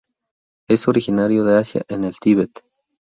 Es originario de Asia, en el Tibet.